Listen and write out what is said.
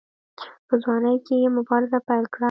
په ځوانۍ کې یې مبارزه پیل کړه.